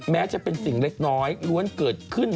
แม้จะเป็นสิ่งเล็กน้อยล้วนเกิดขึ้น